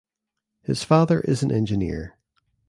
His father is an engineer.